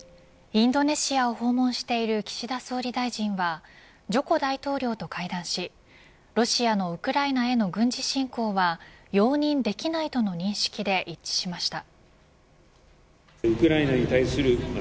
インドネシアを訪問している岸田総理大臣はジョコ大統領と会談しロシアへのウクライナへの軍事侵攻は容認できないとの認識で一致しました。